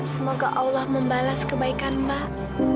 semoga allah membalas kebaikan mbak